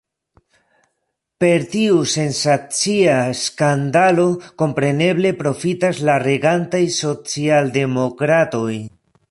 Per tiu sensacia skandalo kompreneble profitas la regantaj socialdemokratoj.